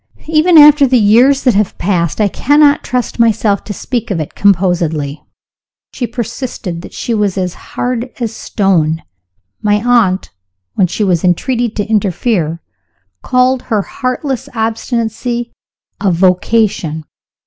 Even after the years that have passed, I cannot trust myself to speak of it composedly. She persisted; she was as hard as stone. My aunt, when she was entreated to interfere, called her heartless obstinacy 'a vocation.